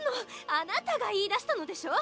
あなたが言いだしたのでしょう？